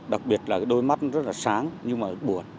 đặc biệt là đôi mắt nó rất là sáng nhưng mà buồn